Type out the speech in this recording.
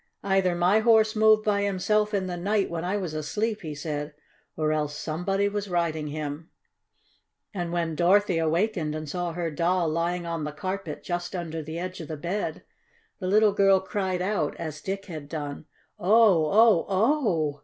"Either my Horse moved by himself in the night when I was asleep," he said, "or else somebody was riding him." And when Dorothy awakened and saw her Doll lying on the carpet just under the edge of the bed, the little girl cried out, as Dick had done: "Oh! Oh! Oh!"